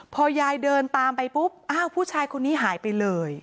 พอยายเดินตามไปปุ๊บอ้าวผู้ชายคนนี้หายไปเลย